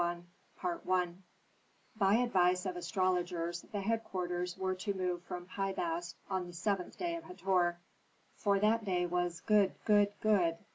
CHAPTER XLI By advice of astrologers the headquarters were to move from Pi Bast on the seventh day of Hator. For that day was "good, good, good."